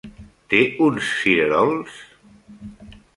Té uns cirerols?